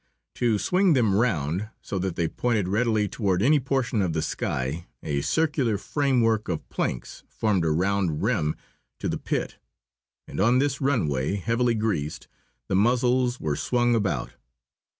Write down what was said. To swing them round, so that they pointed readily toward any portion of the sky, a circular framework of planks formed a round rim to the pit, and on this runway, heavily greased, the muzzles were swung about.